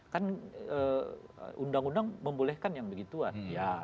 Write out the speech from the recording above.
kan undang undang membolehkan yang begituan